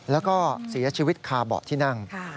แล้วก็เสียชีวิตคาเบาะที่นั่ง